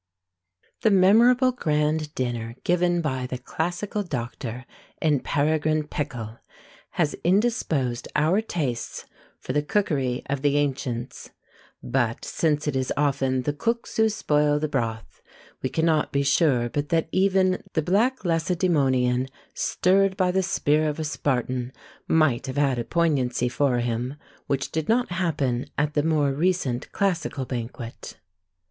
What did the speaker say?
The memorable grand dinner given by the classical doctor in Peregrine Pickle, has indisposed our tastes for the cookery of the ancients; but, since it is often "the cooks who spoil the broth," we cannot be sure but that even "the black LacedÃḊmonian," stirred by the spear of a Spartan, might have had a poignancy for him, which did not happen at the more recent classical banquet.